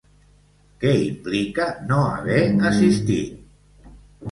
Què implica no haver assistit?